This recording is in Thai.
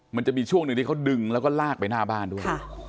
มันจะมีช่วงหนึ่งที่เขาดึงแล้วก็ลากไปหน้าบ้านด้วย